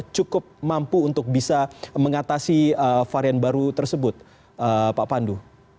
cukup mampu untuk bisa mengatasi varian baru tersebut pak pandu